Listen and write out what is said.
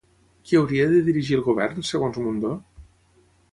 Qui hauria de dirigir el govern, segons Mundó?